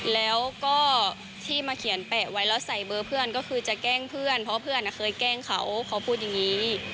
แล้วก็ที่มาเขียนแปะไว้แล้วใส่เบอร์เพื่อนก็คือจะแกล้งเพื่อนเพราะเพื่อนเคยแกล้งเขาเขาพูดอย่างนี้